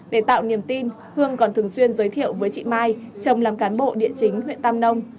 để tạo niềm tin hương còn thường xuyên giới thiệu với chị mai chồng làm cán bộ địa chính huyện tam nông